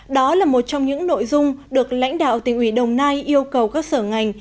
đó là một trong những nội dung được lãnh đạo tỉnh ủy đồng nai yêu cầu các sở ngành